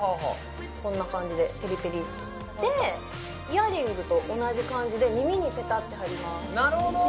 こんな感じでピリピリっとでイヤリングと同じ感じで耳にペタッて貼りますなるほど！